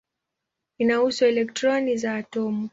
Inahusu elektroni za atomu.